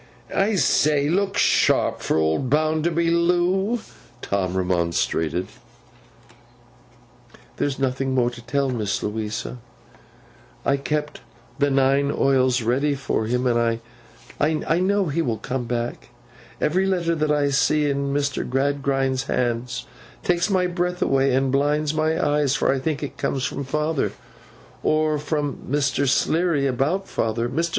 'I say! Look sharp for old Bounderby, Loo!' Tom remonstrated. 'There's no more to tell, Miss Louisa. I keep the nine oils ready for him, and I know he will come back. Every letter that I see in Mr. Gradgrind's hand takes my breath away and blinds my eyes, for I think it comes from father, or from Mr. Sleary about father. Mr.